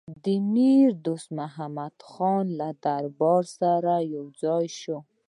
د امیر دوست محمدخان له دربار سره یو ځای شو.